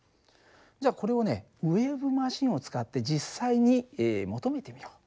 じゃあこれをねウエーブマシンを使って実際に求めてみよう。